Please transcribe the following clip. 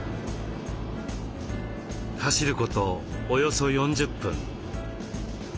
走ることおよそ４０分。